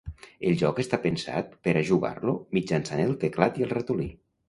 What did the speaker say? El joc està pensat per a jugar-lo mitjançant el teclat i el ratolí.